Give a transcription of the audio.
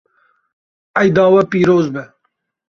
Eyda we pîroz be.